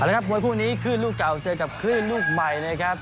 แล้วครับมวยคู่นี้คลื่นลูกเก่าเจอกับคลื่นลูกใหม่นะครับ